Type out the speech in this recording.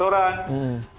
kemudian di indonesia